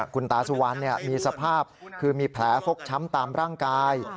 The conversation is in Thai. คุณตาสุวรรณมีสภาพคือมีแผลฟกช้ำตามร่างกาย